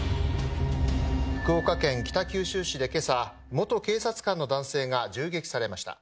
福岡県北九州市で今朝元警察官の男性が銃撃されました。